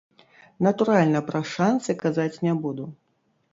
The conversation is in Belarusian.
Натуральна, пра шанцы казаць не буду.